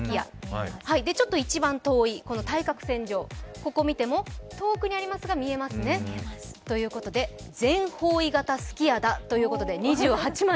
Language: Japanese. ちょっと一番遠い対角線上を見ても遠くにありますが見えますねということで、全方位型すき家だということで２８万